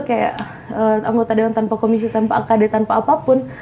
kayak anggota dewan tanpa komisi tanpa akd tanpa apapun